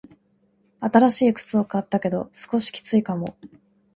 新しい靴を買ったけど、少しきついかも。